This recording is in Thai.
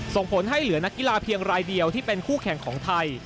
ส่งผลให้เหลือนักกีฬาเพียงรายเดียวที่เป็นคู่แข่งของไทย